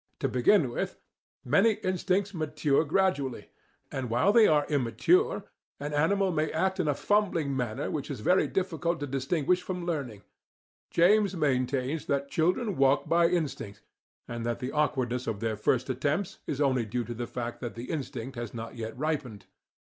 To begin with, many instincts mature gradually, and while they are immature an animal may act in a fumbling manner which is very difficult to distinguish from learning. James ("Psychology," ii, 407) maintains that children walk by instinct, and that the awkwardness of their first attempts is only due to the fact that the instinct has not yet ripened.